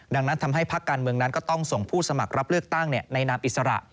ดังนั้นทำให้พักการเมืองนั้นก็ต้องส่งผู้สมัครรับเลือกตั้งในนามอิสระ